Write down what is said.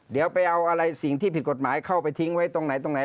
เดี๋ยวไปเอาอะไรสิ่งที่ผิดกฎหมายเข้าไปทิ้งไว้ตรงไหนตรงไหน